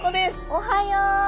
おはよう。